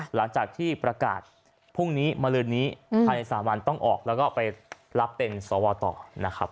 หลังจากที่ประกาศพรุ่งนี้มาลืนนี้ภายใน๓วันต้องออกแล้วก็ไปรับเป็นสวต่อนะครับ